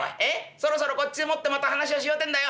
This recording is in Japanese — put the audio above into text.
そろそろこっちでもってまた話をしようてんだよ。